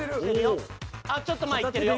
あっちょっと前いってるよ。